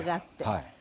はい。